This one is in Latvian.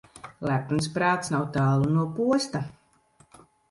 Lepns prāts nav tālu no posta.